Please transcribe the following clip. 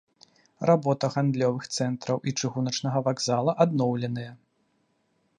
Работа гандлёвых цэнтраў і чыгуначнага вакзала адноўленая.